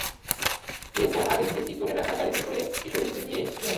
এরপর আগে থেকে ঠিক করে রাখা গাড়িতে করে কিশোরীটিকে নিয়ে যায়।